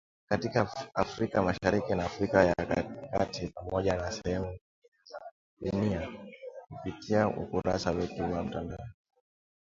Katika Afrika Mashariki na Afrika ya kati Pamoja na sehemu nyingine za dunia kupitia ukurasa wetu wa mtandao